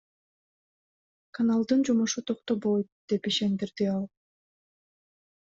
Каналдын жумушу токтобойт, — деп ишендирди ал.